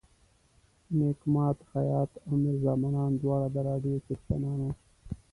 نیک ماد خیاط او میرزا منان دواړه د راډیو څښتنان وو.